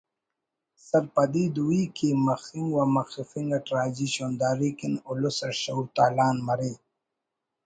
سرپدی دوئی کے مخنگ و مخفنگ اٹ راجی شونداری کن الس اٹ شعور تالان مرے